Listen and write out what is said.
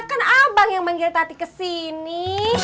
kan abang yang manggil tati kesini